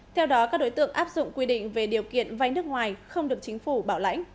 theo đó các đối tượng áp dụng quy định về điều kiện vay nước ngoài không được chính phủ bảo lãnh